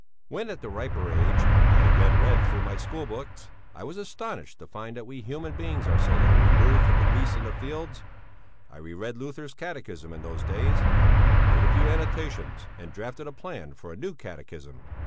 "'When, at a riper age, I again read through my school books, I was astonished to find that we human beings are so little removed from the beasts in the fields. I reread Luther's Catechism in those days; I made a few annotations, and drafted a plan for a new Catechism.